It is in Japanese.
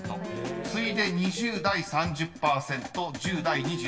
［次いで２０代３０％１０代２３％となります］